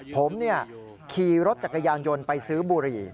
ผมขี่รถจักรยานยนต์ไปซื้อบุหรี่